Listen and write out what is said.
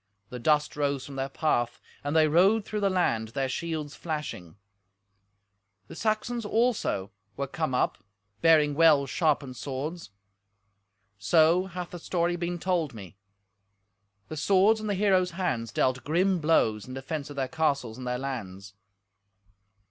The dust rose from their path, and they rode through the land, their shields flashing. The Saxons, also, were come up, bearing well sharpened swords. So hath the story been told me. The swords in the heroes' hands dealt grim blows in defence of their castles and their lands.